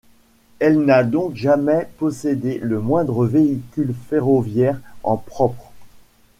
Elle n'a donc jamais possédé le moindre véhicule ferroviaire en propre.